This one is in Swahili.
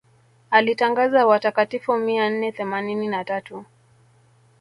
alitangaza watakatifu mia nne themanini na tatu